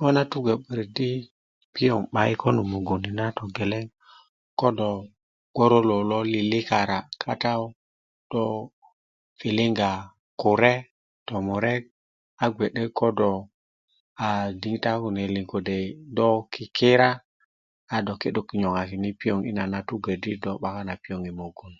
ŋo na tugo'borik di piyoŋ 'bayi konul mugun ni na togeleŋ ko do gboro lowu lo lilikara katawu do piliga kure tomure a ge'de ko do aa diŋitan kune liŋ do kikira a do ki'duŋ nyoŋakiki piyoŋ na dugo di do 'bakanna piyoŋ yi mugun